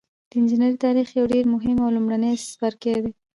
د انجنیری تاریخ یو ډیر مهم او لومړنی څپرکی دی.